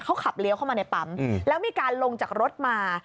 เขาขับเลี้ยวเข้ามาในปั๊มแล้วมีการลงจากรถมา